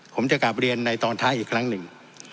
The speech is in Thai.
ผมจะกลับเรียนในตอนท้ายอีกครั้งหนึ่ง